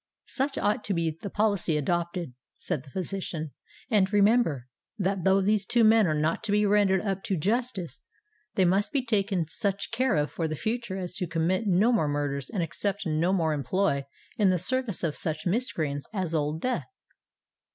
"Such ought to be the policy adopted," said the physician: "and, remember, that though these two men are not to be rendered up to justice, they must be taken such care of for the future as to commit no more murders and accept no more employ in the service of such miscreants as Old Death."